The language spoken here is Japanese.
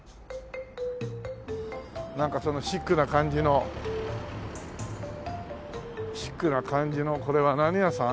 なんかそのシックな感じのシックな感じのこれは何屋さん？